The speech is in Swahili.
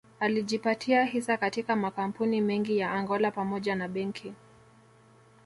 Alijipatia hisa katika makampuni mengi ya Angola pamoja na benki